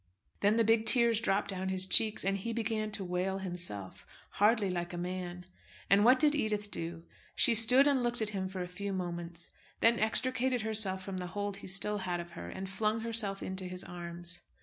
Then the big tears dropped down his cheeks, and he began to wail himself, hardly like a man. And what did Edith do? She stood and looked at him for a few moments; then extricated herself from the hold he still had of her, and flung herself into his arms.